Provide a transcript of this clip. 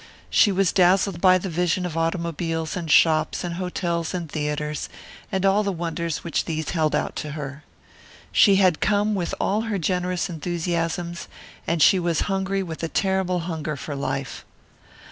She was dazzled by the vision of automobiles and shops and hotels and theatres, and all the wonders which these held out to her. She had come with all her generous enthusiasms; and she was hungry with a terrible hunger for life.